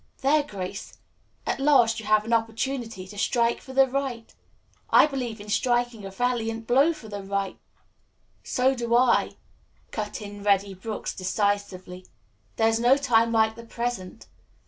"There, Grace. At last you have an opportunity to strike for the right. I believe in striking a valiant blow for the right " "So do I," cut in Reddy Brooks decisively. "There is no time like the present.